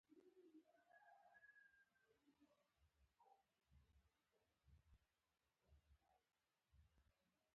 علي نن سبا څه پیسې پیدا کړې دي، ځمکه او اسمان نه ویني.